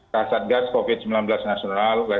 ya kasat gas covid sembilan belas nasional